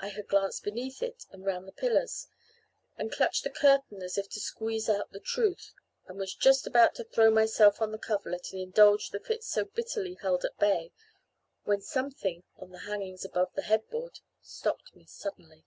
I had glanced beneath it and round the pillars, and clutched the curtain as if to squeeze out the truth, and was just about to throw myself on the coverlet and indulge the fit so bitterly held at bay, when something on the hangings above the head board stopped me suddenly.